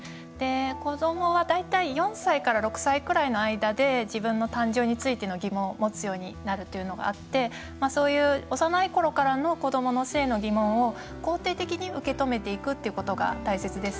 子どもは大体４歳から６歳ぐらいの間で自分の誕生についての疑問を持つようになるというのがあってそういう幼いころからの子どもの性の疑問を肯定的に受け止めていくというのが大切です。